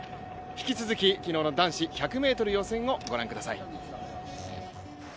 引き続き昨日の男子１００ｍ予選をご覧ください。